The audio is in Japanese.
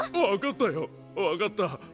分かったよ分かった。